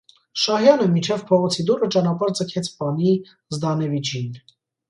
Շահյանը մինչև փողոցի դուռը ճանապարհ ձգեց պանի Զդանևիչին: